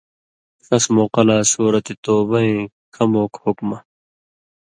ݜَس موقع لا سورة توبہ ایں کموک حُکمہ